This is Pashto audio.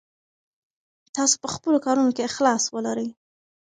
تاسو په خپلو کارونو کې اخلاص ولرئ.